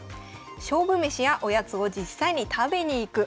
勝負めしやおやつを実際に食べに行く。